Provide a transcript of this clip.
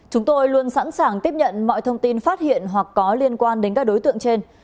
chúng tôi luôn sẵn sàng tiếp nhận mọi thông tin phát hiện hoặc có liên quan đến các đối tượng trên